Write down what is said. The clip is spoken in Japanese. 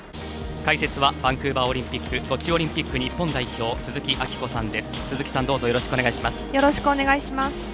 解説はバンクーバーオリンピックソチオリンピック日本代表鈴木明子さんです。